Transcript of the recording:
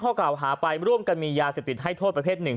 กล่าวหาไปร่วมกันมียาเสพติดให้โทษประเภทหนึ่ง